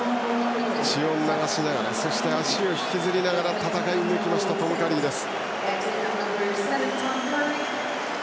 血を流しながらそして足を引きずりながら戦い抜きましたトム・カリーです。